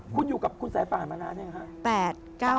คุณอยู่กับคุณสายป่านมานานใช่ไหมค่ะ